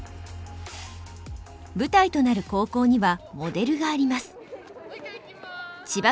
舞台となる高校にはモデルがあります。